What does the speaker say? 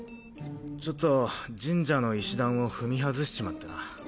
ちょっと神社の石段を踏み外しちまってな。